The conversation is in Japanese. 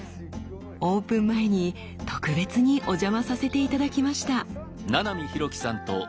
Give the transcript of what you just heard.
オープン前に特別にお邪魔させて頂きました。